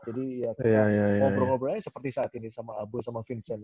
jadi ya kita ngobrol ngobrol aja seperti saat ini sama abu sama vincent